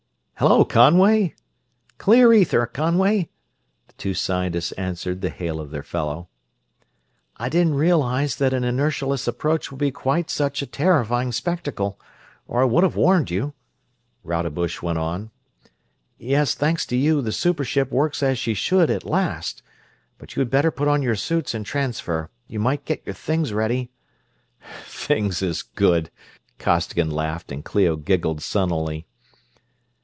"Hello, Conway!" "Clear ether, Conway!" The two scientists answered the hail of their fellow. "I didn't realize that an inertialess approach would be quite such a terrifying spectacle, or I would have warned you," Rodebush went on. "Yes, thanks to you, the super ship works as she should, at last. But you had better put on your suits and transfer. You might get your things ready...." "'Things' is good!" Costigan laughed, and Clio giggled sunnily.